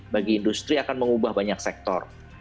bagi industri akan mengubah banyak sektor